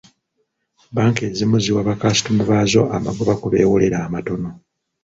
Banka ezimu ziwa bakasitoma baazo amagoba kwe bewolera amatono.